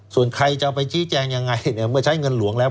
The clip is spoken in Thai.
ส่วนใครจะไปชี้แจงยังไงเนี่ยเมื่อใช้เงินหลวงแล้ว